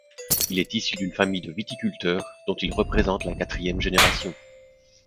Il est issu d’une famille de viticulteurs dont il représente la quatrième génération.